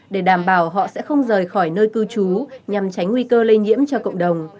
để đảm bảo họ sẽ không rời khỏi nơi cư trú nhằm tránh nguy cơ lây nhiễm cho cộng đồng